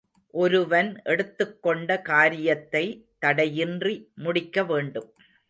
ஒருவன் எடுத்துக் கொண்ட காரியத்தை தடையின்றி முடிக்க வேண்டும்.